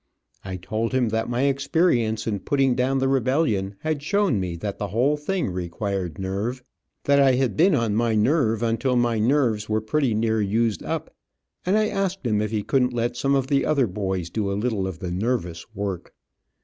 I told him that my experience in putting down the rebellion had shown me that the whole thing required nerve. That I had been on my nerve until my nerves were pretty near used up, and I asked him if he couldn't let some of the other boys do a little of the nervous work.